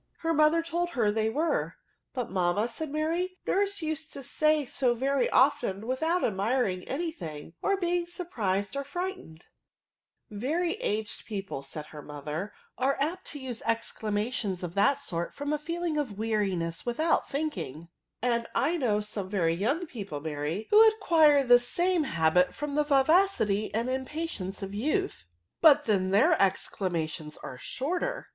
Her mother told her they were. 1NTERJECTI0N5# 101 *' But^ mamma/' said Mary, *' mirse used to say so very often without admiring any things or being surprised, or frightened/' Very aged people," said her mother, are apt to use exclamations of that sort from a feeling of weariness without thinking; and I know some very young people, Mary, who acquire the same habit from the vivacity and impatience of youth ; but then their ex clamations are shorter.